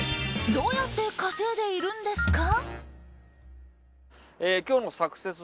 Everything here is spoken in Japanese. どうやって稼いでいるんですか？